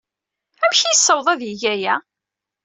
Amek ay yessaweḍ ad yeg aya?